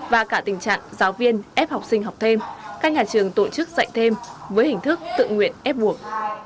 và cả tình trạng giáo viên ép học sinh học thêm các nhà trường tổ chức dạy thêm với hình thức tự nguyện ép buộc